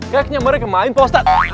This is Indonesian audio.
kayaknya mereka main pak ustadz